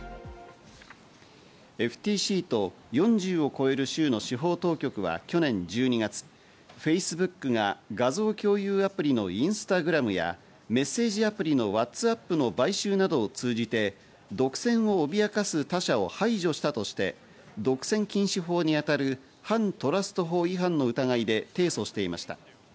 ＦＴＣと４０を超える州の司法当局は去年１２月、Ｆａｃｅｂｏｏｋが画像共有アプリのインスタグラムやメッセージアプリのワッツアップの買収などを通じて独占を脅かす他社を排除したとして、独占禁止法にあたる反トラスト法違反の疑いで提訴していました。